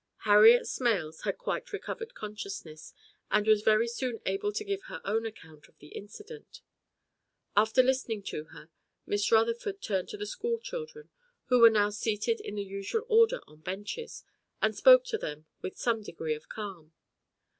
Harriet Smales had quite recovered consciousness, and was very soon able to give her own account of the incident. After listening to her, Miss Rutherford turned to the schoolchildren, who were now seated in the usual order on benches, and spoke to them with some degree of calm.